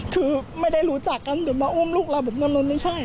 คือไม่ได้รู้จักกันแต่มาอุ้มลูกเราหมดลนไม่ใช่